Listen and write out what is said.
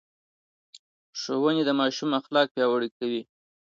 ښوونې د ماشوم اخلاق پياوړي کوي.